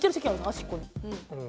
端っこに。